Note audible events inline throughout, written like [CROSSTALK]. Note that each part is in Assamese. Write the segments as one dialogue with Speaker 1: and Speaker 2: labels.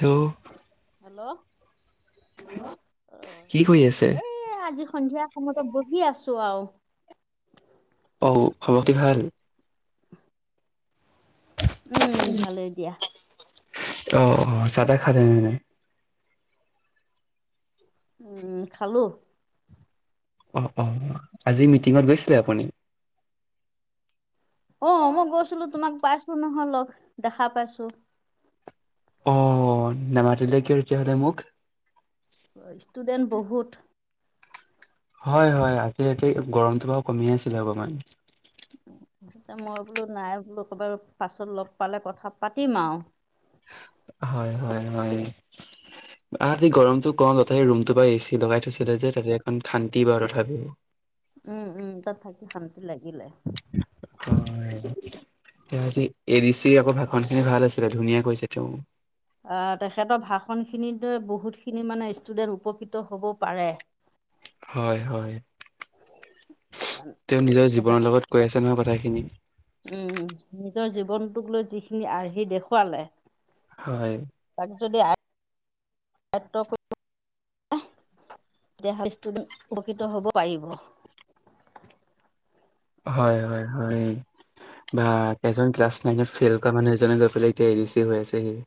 Speaker 1: হেল্ল।
Speaker 2: হেল্ল'। অ',
Speaker 1: কি কৰি আছে?
Speaker 2: এ আজি সন্ধিয়া সময়তে বহি আছো আৰু।
Speaker 1: অঔ খবৰটো ভাল?
Speaker 2: উম ভালেই দিয়া।
Speaker 1: অ অ চাদা খােলেনে নাই?
Speaker 2: উম খালো।
Speaker 1: অ অ আজি মিটিঙত গৈছিলে আপুনি?
Speaker 2: অ' মই গৈছিলো তোমাক পাইছো নহ লগ দেখা পাইছো।
Speaker 1: অ' নেমাতিলে কিয় তেতিয়াহ'লে মোক?
Speaker 2: ষ্টুডেণ্ট বহুত
Speaker 1: হয় হয় আজিতিতে গৰমটো বাৰু কমি আছিলে অকমান।
Speaker 2: মই বোলো নাই বোলো ক'ৰবাৰ পাছত লগ পালে কথা পাতিম আৰু।
Speaker 1: হয় হয় হয় আতি গৰমটো ত ৰুমটো বাৰ এ চি লগাই থৈছিলে যে তাতে এখন খান্তি বাৰু তথাপি।
Speaker 2: উম' উম' তাত থাকি শান্তি লাগিলে।
Speaker 1: [UNINTELLIGIBLE] আজি এডি চিৰ আকৌ ভাষণ খিনি ভাল আছিলে ধুনীয়া কৈছে তেওঁ।
Speaker 2: আহ তেখেতৰ ভাষণ খিনি বহুতখিনি মানে ষ্টুডেণ্ট উপকৃত হ'ব পাৰে।
Speaker 1: হয় হয় তেওঁ নিজৰ
Speaker 2: তেখেত
Speaker 1: জীৱনৰ লগত কৈ আছে নহয় কথাখিনি।
Speaker 2: উম, নিজৰ জীৱনটোক লৈ যিখিনি আৰ্হি দেখুৱালে।
Speaker 1: হয়।
Speaker 2: তাক যদি [UNINTELLIGIBLE] দেহ [UNINTELLIGIBLE] উপকৃত হ'ব পাৰিব।
Speaker 1: হয়, হয়, হয়। বা এজন ক্লাছ নাইনত ফেইল কৰা মানুহ এজনে গৈ পেলাই এতিয়া এৰি চি হৈ আছেহি।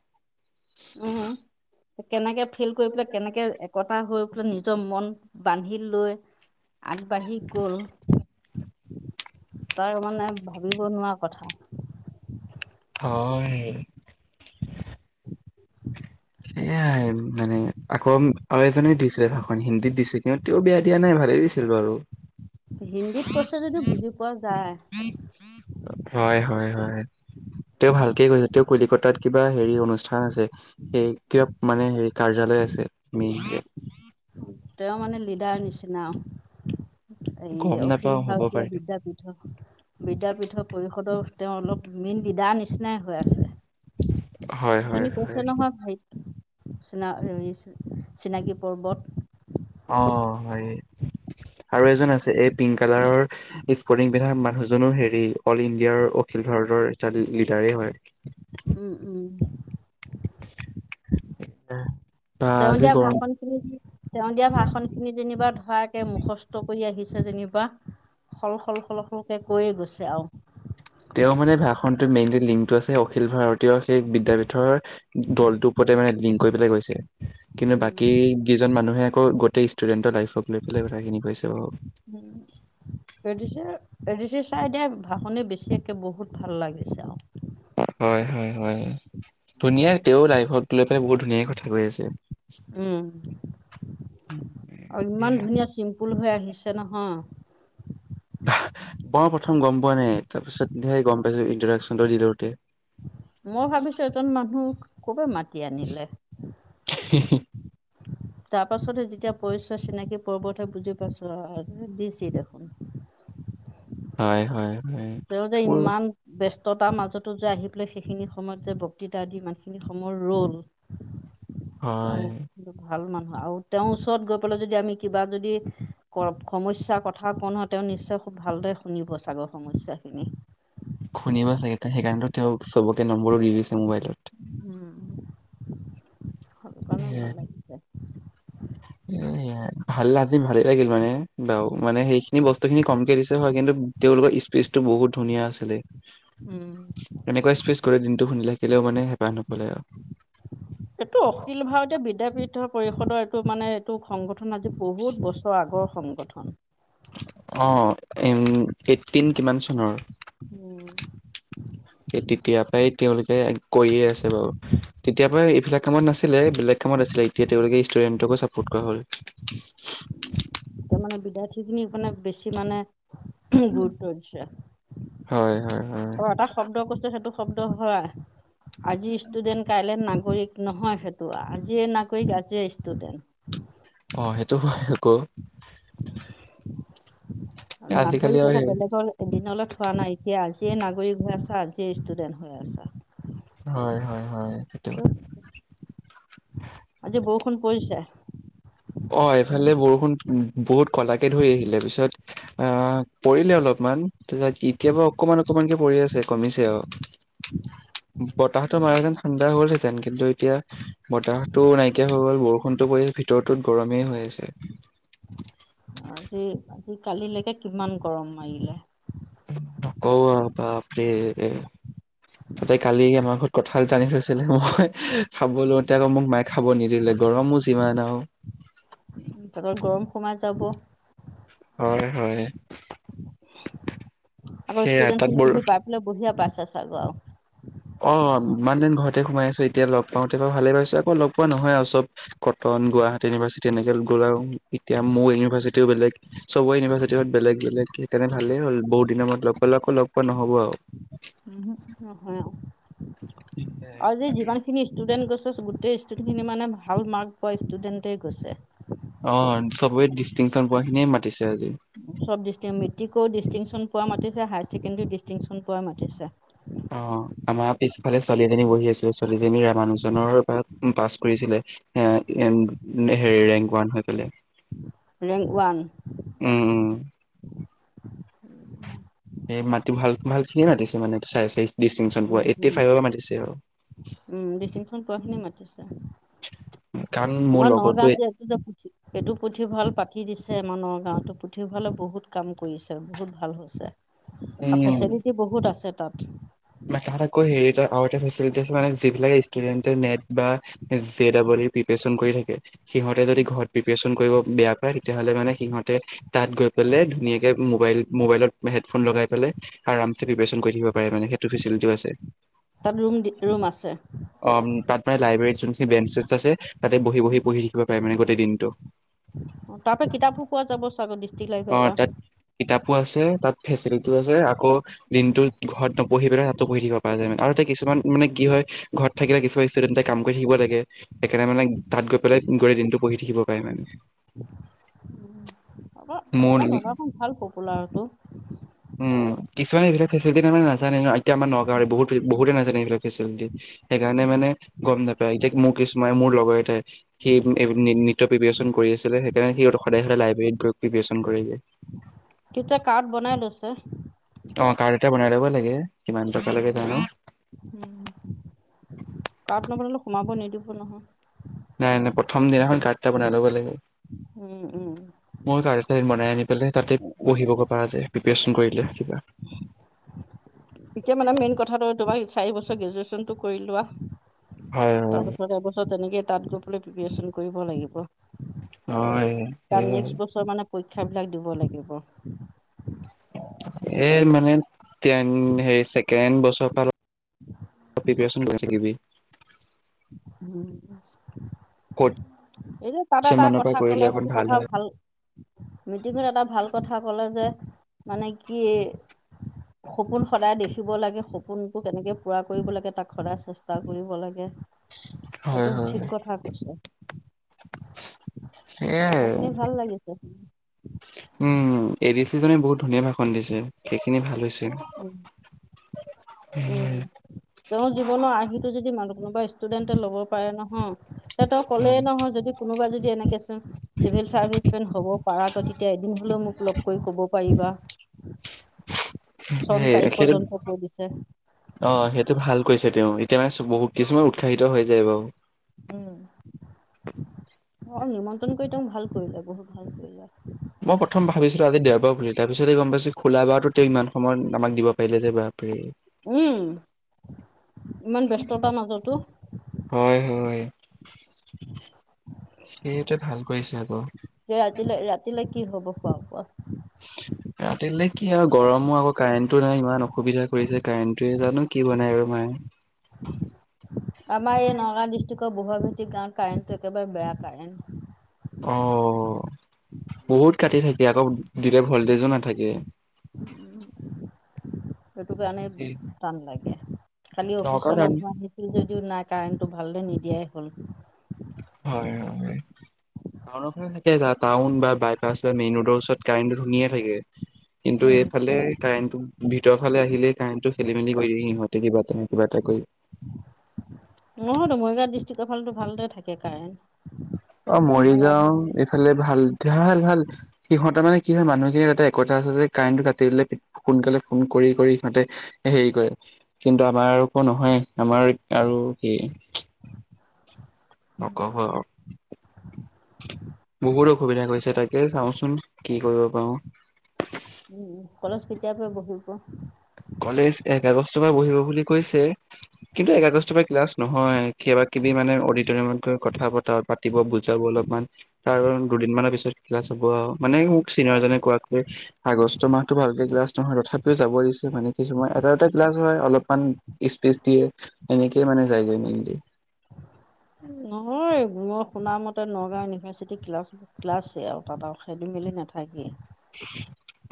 Speaker 2: উম
Speaker 1: [UNINTELLIGIBLE]
Speaker 2: কেনেকে ফেল কৰি পেলাই কেনেকে একতা হৈ পেলাই নিজৰ মন বান্ধি লৈ আগবাঢ়ি গ'ল তাৰ মানে ভাবিব নোৱাৰা কথা।
Speaker 1: হৰনিল সেয়াই মানে আকৌ আৰু এজনে দিছিলে ভাষণ হিন্দীত দিছে কিয় তেওঁ বেয়া দিয়া নাই ভালেই দিছিল বাৰু।
Speaker 2: হিন্দীত কৈছে যদি বুজি পোৱা যায়।
Speaker 1: হয়, হয়, হয়। তেওঁ ভালকে কৈছে, তেওঁ কলিকতাত কিবা হেৰি অনুষ্ঠান আছে। এই কিবা মানে হেৰি কাৰ্যালয় আছে মেইন যে।
Speaker 2: তেওঁ মানে লিডাৰ নিচিনা এই
Speaker 1: গম নাপাও
Speaker 2: অখিল
Speaker 1: হ'ব
Speaker 2: ভাৰতীয়
Speaker 1: পাৰে।
Speaker 2: বিদাপীঠ। বিদাপীঠৰ পৰিষদৰ তেওঁ অলপ মেন লিদা নিচিনা। নিচিনাই হৈ আছে,
Speaker 1: হয় হয়
Speaker 2: অথনি
Speaker 1: হয়।
Speaker 2: কৈছে নহয় ভাইতি চিনাকি পৰ্বত।
Speaker 1: অ' হয় আৰু এজন আছে এই পিংক কালাৰৰ স্পৰ্টিং মানুহজনো হেৰি অল ইণ্ডিয়াৰ অখিল ভাৰতৰ এটা লিডাৰেই হয়।
Speaker 2: উম, উম।
Speaker 1: এয়ে
Speaker 2: তেওঁ দিয়া ভাষণ তেওঁ দিয়া ভাষন খিনি যেনিবা ধৰাকৰাকে মুখস্থ কৰি আহিছে যেনিবা। সল সল সল সলকে কৈয়ে গৈছে আৰু।
Speaker 1: তেওঁ মানে ভাষণটোত মেইনলি লিংকটো আছে, অখিল ভাৰতীয় সেই বিদ্যাপীঠৰ দলটোৰ ওপৰতে মানে লিংক কৰি পেলাই গৈছে। কিন্তু বাকী কেইজন মানুহে আকৌ গোটেই ষ্টুডেন্টৰ লাইফক লৈ পেলাই কথাখিনি কৈছে।
Speaker 2: উম। A D C, A D C চাৰে দিয়া ভাষণে বেছিয়ে বহুত ভাল লাগিছে আৰু।
Speaker 1: হয়, হয়, হয়, ধুনীয়া। তেওঁ লাইফক লৈ পেলাই বহুত ধুনীয়াক কথা কৈ আছে।
Speaker 2: উম, আৰু ইমান ধুনীয়া চিম্পুল হৈ আহিছে নহয়।
Speaker 1: মই প্ৰথম গ'ম পোৱা নাই, তাৰ পিছত গ'ম পাইছো, ইন্ট্ৰডাকশ্যনটো দি দিওঁতে।
Speaker 2: মই ভাবিছোঁ এজন মানুহক কৰপৰা মাতি আনিলে।
Speaker 1: [UNINTELLIGIBLE]
Speaker 2: তাৰ পাছতে যেতিয়া পৰিচয় চিনাকি পৰ্বৰততে বুজি পাইছো, দি ছি দেখোন।
Speaker 1: হয়, হয়, হয়।
Speaker 2: তেওঁ যে
Speaker 1: উম,
Speaker 2: ইমান ব্যস্ততাৰ মাজতো যে আহি পেলাই সেইখিনি সময়ত যে বক্তৃতা দি ইমানখিনি সময় ৰ'ল।
Speaker 1: হয়।
Speaker 2: তেওঁ ভাল মানুহ আৰু তেওঁৰ ওচৰত গৈ পেলাই যদি আমি কিবা যদি সমস্যা কথা কওঁ নহয়। তেওঁ নিশ্চয় খুব ভালদৰে শুনিব চাগে সমস্যাখিনি।
Speaker 1: শুনিবা চাগে ত সেইকাৰণে তেওঁক চবকে নম্বৰো দি দিছে, মোবাইলত-
Speaker 2: উম, অকণো ভাল লাগিছে।
Speaker 1: এ ভাল আজি ভালে লাগিল মানে বাৰু মানে সেইখিনি বস্তু খিনি কমকে দিছে হয় কিন্তু- তেওঁলোকৰ স্পিচটো বহুত ধুনীয়া আছিলে।
Speaker 2: উম।
Speaker 1: এনেকুৱা স্পেচ কৰে দিনটো শুনি থাকিলেও মানে হেঁপাহ নপলাই আৰু।
Speaker 2: এইটো অখিল ভাৰতীয় বিদ্যাপীঠ পৰিষদৰ এইটো মানে- তোক সংগঠন আজি বহুত বছৰ আগৰ সংগঠন-
Speaker 1: অ এম এইটটিন কিমান চনৰ!
Speaker 2: উম,
Speaker 1: সেইতেতিয় পৰাই তেওঁলোকে কৈয়ে আছে- বাৰু তেতিয় পৰা এইবিলাক কামত নাছিলে বেলেগ- কামত আছিলে এতিয়া তেওঁলোকে ষ্টুডেণ্টকো ছাপৰ্ট কৰা হ'ল।
Speaker 2: এয়া মানে বিদ্যাৰ্থী খিনি মানে বেছি মানে- গুৰুত্ব দিছে
Speaker 1: হয় হয় হয়
Speaker 2: আৰু এটা- শব্দ কৈছে সেইটো শব্দ হয় আজি ষ্টুডেন্ট কাইলে নাগৰিক- নহয় সেইটো আজিয়ে নাগৰিক আজিয়ে ষ্টুডেণ্ট।
Speaker 1: অ সেইটো হয় আকৌ- আজিকালি
Speaker 2: নাগৰিক
Speaker 1: আৰু
Speaker 2: হব
Speaker 1: সেই
Speaker 2: বেলেগৰ - এদিনত হোৱা নাইকিয়া আজিয়েই নাগৰিক হৈ আছা আজিয়েই ষ্টুডেণ্ট হৈ আছা।
Speaker 1: হয়-হয়-হয়,
Speaker 2: ত [INAUDIBLE] আজি বৰষূণ পৰিছে?
Speaker 1: অ', এইফালে বৰষুণ বহুত কলাকে ধৰি আহিলে পিছত - অ', পৰিলে অলপমান। তাৰপাছত এতিয়াৰ পৰা অকমান অকমানকে পৰি আছে কমিছে আৰু- বতাহতো মাৰাহেঁতেন ঠাণ্ডা হ'লহেঁতেন কিন্তু এতিয়া- বতাহতো নাইকিয়া হৈ গ'ল বৰষুণতো পৰি ভিতৰতো গৰমেই হৈ আছে।
Speaker 2: আজি-আজি কালিলৈকে কিমান গৰম মাৰিলে?
Speaker 1: নকব আৰু বাপৰে - তাতে কালি আমাৰ ঘৰত কঁঠাল এটা আনি থৈছিলে মই খাব লওঁতে আকৌ মোক মায়ে খাব নিদিলে গৰম- সিমানও [UNINTELLIGIBLE]
Speaker 2: পেটত গৰম সোমাই যাব।
Speaker 1: হয়-হয়,
Speaker 2: আগৰ ষ্টুডেণ্টখিনি পাই পেলাই তুমি বঢিয়া পাইছা চাগে আৰু-
Speaker 1: অ ইমান দিন ঘৰতে সোমাই আছো এতিয়া লগ পাওঁতে বাৰু ভালেই পাইছো আকৌ লগ পোৱা নহয় আৰু চব- কটন গুৱাহাটী ইউনিভাৰ্চিটি এনেকে গ'ল আৰু এতিয়া মোৰ ইউনিভাৰ্চিটিও বেলেগ- চবে ইউনিভাৰ্চিটিত বেলেগ বেলেগ সেইকাৰণে ভালেই হ'ল বহুত দিনৰ মূৰত লগ পালোঁ আকৌ লগ পোৱা নহ'ব আৰু-
Speaker 2: উম, উম আৰু যে যিমান খিনি- ষ্টুডেণ্ট গৈছে গোটেই ষ্টুডেণ্টখিনি মানে ভাল মাৰ্ক পোৱা ষ্টুডেণ্টেই গৈছে।
Speaker 1: অ চবেই ডিষ্টিংচন পোৱা খিনিয়ে মাতিছে আজি।
Speaker 2: চব দিছে মেট্ৰিকৰ ডিষ্টিংশচন পোৱা মাতিছে হায়াৰ ছেকেণ্ডেৰী ও ডিষ্টিংশ্যন পোৱা মাতিছে।
Speaker 1: অ আমাৰ পিছফালে ছোৱালী এজনী বহি আছিল। ছোৱালীজনী ৰামানুজনৰ পা পাছ কৰিছিলে। হেৰি ৰেংক ওৱান হৈ পলে
Speaker 2: ৰেংক ওৱান
Speaker 1: উম উম এই মাটি ভাল ভালখিনিয়ে মাতিছে মানে চাইজ চাইজ ডিষ্টিংচন পোৱা এইটি ফাইভৰ পৰা মাতিছে আৰু
Speaker 2: উম বেছিনখন পোৱা খিনি মাতিছে
Speaker 1: কাৰণ মোৰ
Speaker 2: আমাৰ
Speaker 1: লগতো
Speaker 2: নগাঁও যে দে পুঠি এইটো পুথিভঁৰাল পাতি দিছে মান গাঁৱতো পুথিভঁৰালৰ বহুত কাম কৰিছে বহুত ভাল হৈছে
Speaker 1: উম
Speaker 2: ফেচিলিটি বহুত আছে তাত
Speaker 1: তাত আকৌ হেৰি লৈ মানে আৰু এটা ফেছেলেতি আছে যিলাক ষ্টুডেণ্টে নেট বা জে ডবল ইৰ প্ৰিপাৰেচন কৰি থাকে সিহঁতে যদি ঘৰত প্ৰিপাৰেচন কৰিব বেয়া পায় তেতিয়াহ'লে মানে সিহঁতে তাত গৈ পেলাই ধুনীয়াকে মোবাইল মোবাইলত হেডফোন লগাই পেলাই আৰামচে প্ৰিপাৰেচন কৰি থাকিব পাৰে মানে সেইটো ফেচেলিটিও আছে।
Speaker 2: তাত ৰুম, ৰুম আছে
Speaker 1: অ', তাত মানে লাইব্ৰেৰীত যোনখিনি বেঞ্চছেছ আছে তাতে বহি বহি পঢ়ি লিখিব পাৰে মানে গোটেই দিনটো
Speaker 2: অ', াৰ পৰা কিতাপো পোৱা যাব [UNINTELLIGIBLE]
Speaker 1: অ
Speaker 2: পৰা
Speaker 1: ', তাত কিতাপো আছে তাত ফেচিলিটিও আছে আকৌ দিনটোত ঘৰত নপঢ়ি পেলাই তাতো পঢ়ি থাকিব পৰা যায় আৰু তাতে কিছুমান মানে কি হয় ঘৰত থাকিলে কিছুমান ষ্টুডেণ্টে কাম কৰি থাকিব লাগে একেৰাহে মানে তাত গৈ পেলাই গোটেই দিনটো পঢ়ি থাকিব পাৰে মানে
Speaker 2: উম আমাৰ
Speaker 1: মোৰ
Speaker 2: আমাৰ নগাঁওখন ভাল পপুলাৰটো
Speaker 1: উম, কিছুমানে এইবিলাক ফেচিলিটি তাৰমানে নাজানে না এতিয়া আমাৰ নগাঁওৰে বহুত বহুতে নাজানে এইবিলাক ফেচিলিটি সেইকাৰণে
Speaker 2: উম,
Speaker 1: মানে গম নাপায় এতিয়া মোৰ কিছুমানে মোৰ লগৰ এটাই সি নৃত প্ৰিপেৰেচন কৰি আছিলে সেইকাৰণে সি সদায় সদায় লাইব্ৰেৰীত গৈ প্ৰিপেৰেচন কৰিলে
Speaker 2: তেতিয়া কাৰ্ড বনাই লৈছে
Speaker 1: অ', কাৰ্ড এটা বনাই ল'ব লাগে কিমান টকা
Speaker 2: উম,
Speaker 1: লাগে জানো
Speaker 2: উম, কাৰত নগলে সোমাব নিদিব নহয়
Speaker 1: নাই নাই প্ৰথম দিনাখন কাৰ্ডটো বনাই ল'ব লাগিব
Speaker 2: উম, উম,
Speaker 1: মই কাৰ্ড এটা বনাই আনি পেলাই তাতে পঢ়িবগৈ পৰা যায় প্ৰিপাৰেচন কৰিলে কিবা উম
Speaker 2: এতিয়া মানে মেইন কথাটো তোমাৰ চাৰি বছৰ গ্ৰেজুৱেশ্যনটো কৰি লোৱা
Speaker 1: হয়। হয়
Speaker 2: তাৰপিছত এবছৰ তেনেকে তাত গৈ পেলাই প্ৰিপাৰেচন কৰিব লাগিব
Speaker 1: হয়
Speaker 2: তাৰ নেক্স
Speaker 1: এ
Speaker 2: বছৰ মানে পৰীক্ষা বিলাক দিব লাগিব
Speaker 1: এ মানে হেৰি ছেকেণ্ড বছৰ ফালত প্ৰিপেৰেশ্যন কৰি থাকিবি
Speaker 2: উম,
Speaker 1: ফ'ৰ্থ
Speaker 2: এই যে তাত
Speaker 1: চেম
Speaker 2: এটা
Speaker 1: মানৰ পৰা
Speaker 2: কথা কলে
Speaker 1: কৰিলে অকণ
Speaker 2: সেইটো কথা
Speaker 1: হয়
Speaker 2: ভাল মিটিঙত এটা ভাল কথা কলে যে মানে কি সপোন সদায় দেখিব লাগে সপোনটো কেনেকৈ পুৰা কৰিব লাগে তাক সদায় চেষ্টা কৰিব লাগে অ',
Speaker 1: হয়
Speaker 2: তো ঠিক
Speaker 1: হয়
Speaker 2: কথা কৈছে
Speaker 1: সেয়াই
Speaker 2: কথা শুনি ভাল লাগিছে
Speaker 1: উম এ, ডি, চি, জনে বহুত ধুনীয়া ভাষণ দিছে সেইখিনি ভাল হৈছে
Speaker 2: উম, উম, তেওঁৰ জীৱনৰ আৰ্হিটো যদি মানুহ কোনোবা ষ্টুডেন্টে ল'ব পাৰে নহয় তে তেওঁ কলেই নহয় যদি কোনোবা যদি এনেকে চিভ চাৰ্ভিচ মেন হ'ব পাৰা টো তেতিয়া এদিন হলেও মোক লগ কৈ ক'ব পাৰিবা চন
Speaker 1: সেই
Speaker 2: তাৰিখ
Speaker 1: সেইটো
Speaker 2: পৰ্যন্ত কৈ দিছে
Speaker 1: অ', সেইটো ভাল কৈছে তেওঁ এতিয়া মানে বহুত কিছুমান উৎসাহিত হৈ যায় বাৰু
Speaker 2: উম, অ', নিমন্ত্ৰণ কৰি ত মোক ভাল কৰিলোয় বহুত ভাল কৰি যায়
Speaker 1: মই প্ৰথম ভাবিছিলো আজি দেওবাৰ বুলি তাৰ পিছতে গম পাইছো খোলা বাৰো তেওঁ ইমানয়ত আমাকিব পাৰিলে যে ব
Speaker 2: উম, ইমান ব্যস্ততাৰ মাজতো
Speaker 1: হয়, হয় সেইটোৱে ভাল কৰিছে আকৌ
Speaker 2: ৰাতিলে ৰাতিলে কি হব খোৱা? প
Speaker 1: উ, ৰাতিলে কি আৰু, গৰমো আকৌ কাৰেণ্টটো নাই ইমান অসুবিধা কৰিছে কাৰেণ্টোৱয়ে জানো কি বনাই আৰু মায়ে
Speaker 2: আমাৰ এই নগাঁও ডিষ্ট্ৰিক্টৰ বুুৱা ভেটি গাঁৱত কাৰেণ্টটো, একেবাৰে বেয়া কাৰেণ্ট
Speaker 1: অ', হুত কাটি থাকে আকৌ দিলে ভল্টেজো নাথাকে
Speaker 2: সেইটো কাৰণে টান লাগে। খালি
Speaker 1: নগাঁও
Speaker 2: অফিচৰ
Speaker 1: টাউন
Speaker 2: মানুহ আহি যদিও নাই, কাৰেণ্টটো ভালদৰে নিদিয়াই হ'ল।
Speaker 1: হয় হয় হয়। টাউনৰফালে থাকে। যাৰ টাউন বা বাইপাছ বা মেইন ৰোডৰ ওচৰত কাৰেণ্টটো ধুনিয়া থাকে। কিন্তু
Speaker 2: উম
Speaker 1: এইফালে কাৰেণ্টটো ভিতৰফালে আহিলে কাৰেণ্টটো খেলি মেলি কৰি দিয়ে সিহঁত তে কিবা তেনে কিবা এটা কৰি।
Speaker 2: নহয়তো, মৰিগাঁও ডিষ্ট্ৰিকৰফলেটো ভালদৰে থাকে কাৰেণ্ট।
Speaker 1: অ'
Speaker 2: আমাৰ ইয়াত
Speaker 1: মৰিগাও এইফালে, ভাল ভাল ভাল। সিহঁতৰ মানে কি হয় মানুহখিনিৰ এটা একতা আছে যে, কাৰেণ্টটো কাটি দিলে সোনকালে ফোন কৰি সিহঁতে হেৰি কৰে। কিন্তু আমাৰ আৰু একো নহয়, আমাৰ আৰু কি নক'ব আৰু। বহুত অসুবিধা কৰিছে, তাকে চাওঁচোন কি কৰিব পাৰোঁ।
Speaker 2: উম, উম, কলেজ কেতিয়াপা বহিব?
Speaker 1: কলেজ এক আগষ্টৰপৰা বহিব বুলি কৈছে। কিন্তু এক আগষ্টৰপৰা ক্লাছ নহয়, কিবাকিবি মানে অডিটৰিয়ামত গৈ কথা পতা বাত তিব, বুজাব অলপমান। তাৰ দুদিনমানৰ পিছত খেলা চাব আৰু, মানে মোক চিনিয়ৰজনে কোৱাকৈ। আগষ্ট মাহতো ভালকে ক্লাছ নহয় তথাপিও যাব দিছে মানে। দেখিছোঁ মই, এটা এটা ক্লাছ হয়, অলপমান স্পেচ দিয়ে এনেকেইে মানে যাইগৈ মেইনলি।
Speaker 2: উ, নহয়। অ' মই শুনা মতে নগাঁও ইউনিভাৰ্চিটি ক্লাছ ক্লাছ এ, আৰু তাত আৰু খেলি মেলি নাথাকে।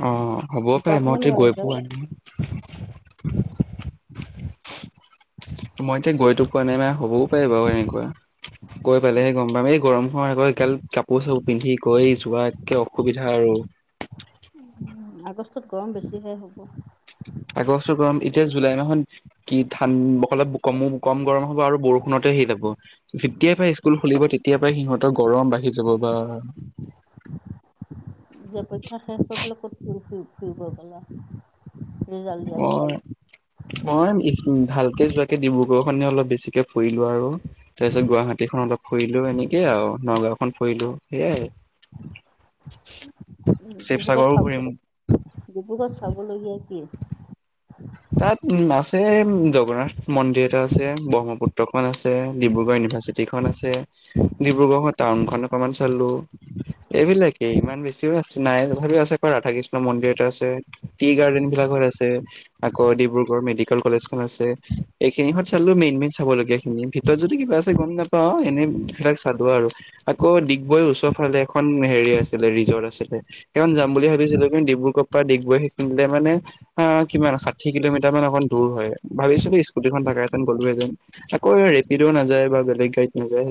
Speaker 1: অ' হ'ব পাৰে, মইতো গৈ
Speaker 2: ৱাইজত
Speaker 1: পোৱা নাই। মইতো গৈতো পোৱা নাই, মানে হ'বও পাৰে বাৰু এনেকুৱা। গৈ পালেহে গ'ম পাম, এই গৰম হোৱাৰ আকৌ কাল কাপোৰ চাপোৰ পিন্ধি গৈ যোৱ একে অসুবিধা আৰু।
Speaker 2: আগষ্টত গৰম বেছিহে হ'ব।
Speaker 1: আগষ্টৰ গৰম এতিয়া জুলাই মাহত কি ঠান অলেপ কমো কম গৰম হ'ব আৰু বৰষুণতে হে যাব। যেতিয়াৰপৰা স্কুল খুলিব তেতিয়াৰ পৰাই সিহঁতৰ গৰম বাঢ়ি যাব বা।
Speaker 2: যে পৰীক্ষা শেষ কৰি পেলাই ক'ত ফুৰি ফু-ফুৰিব গ'লা? ৰিজাল্ট দিয়াৰ পিছত।
Speaker 1: মই ভালকে যোৱাকে ডিব্ৰুগড়খনে অলপ বেছিকে ফুৰিলোঁ আৰু। তাৰ পিছত গুৱাহাটীখন অলপ ফুৰিলোঁ, এনেকেই আৰু নগাঁওখন ফুৰিলোঁ। হেয়াই।
Speaker 2: ডিব্ৰুগড়ত
Speaker 1: শিৱসাগৰো
Speaker 2: চাব
Speaker 1: ঘূৰিম।
Speaker 2: ডিব্ৰুগড়ত চাবলগীয়া কি?
Speaker 1: তাত উ, আছে জগন্নাথ। মন্দিৰ এটা আছে, ব্ৰহ্মপুত্ৰখন আছে, ডিব্ৰুগড় ইউনিভাৰ্চিটিখন আছে। ডিব্ৰুগড় টাউনখন অকমান চালোঁ, এইবিলাকেই ইমান বেছি আছে নাই, তথাপিও আছে আকৌ ৰাধাকৃষ্ণ মন্দিৰ এটা আছে, টি গাৰ্ডেন বিলাকৰ আছে। আকৌ ডিব্ৰুগড়ৰ মেডিকেল কলেজখন আছে। এইখিনিহত চালো মেইন মেইন চাবলগীয়া এনে ভিতৰত যদি কিবা আছে গ'ম নাপাওঁ। এনেই সেইবিলাক চালোঁ আৰু। আকৌ ডিগবৈৰ ওচৰফালে এখন হেৰি আছিলে ৰিজৰ্ট আছিলে। সেইখন যাম বুলি ভাবিছিলোঁ কিন্তু ডিব্ৰুগড়ৰপৰা ডিগবৈ সেইটো পিনে মানে কিমান আশা ঠি কিলোমিটাৰ মান অকন দূৰ হয়, ভাবিছিলোঁ স্কুটিখন থাকাহেতেন গলোঁ হেতেন। আকৌ ৰেপিডওঁ নাযায় বা বেলেগ গাড়ীত নাযায়।